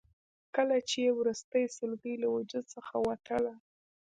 کله یې چې وروستۍ سلګۍ له وجود څخه وتله.